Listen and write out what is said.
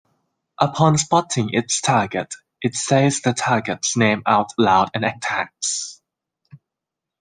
Upon spotting its target, it says the target's name out loud and attacks.